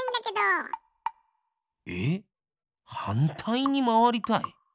えっはんたいにまわりたい？